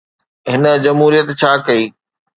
هن جمهوريت ڇا ڪئي؟